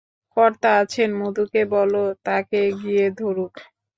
কর্তা আছেন, মধুকে বলো, তাঁকে গিয়ে ধরুক।